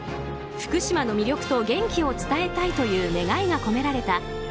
福島の魅力と元気を伝えたいという願いが込められた